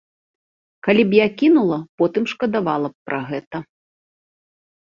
Калі б я кінула, потым шкадавала б пра гэта.